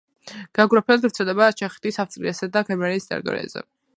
გეოგრაფიულად ვრცელდება ჩეხეთის, ავსტრიისა და გერმანიის ტერიტორიაზე.